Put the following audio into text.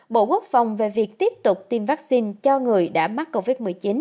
bộ quốc phòng về việc tiếp tục tiêm vaccine cho người đã mắc covid một mươi chín